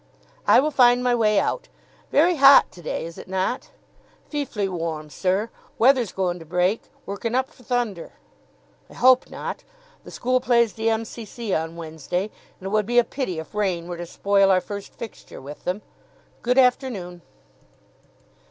"I will find my way out. Very hot to day, is it not?" "Feeflee warm, sir; weather's goin' to break workin' up for thunder." "I hope not. The school plays the M.C.C. on Wednesday, and it would be a pity if rain were to spoil our first fixture with them. Good afternoon."